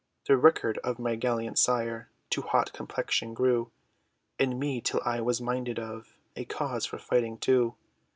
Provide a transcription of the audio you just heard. The record of my gallant sire, To hot complexion grew, In me, till I was minded of A cause, for fighting too.